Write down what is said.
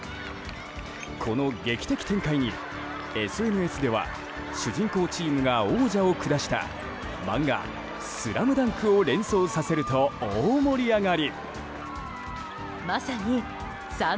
この劇的展開に、ＳＮＳでは主人公チームが王者を下した漫画「ＳＬＡＭＤＵＮＫ」を連想させると大盛り上がり。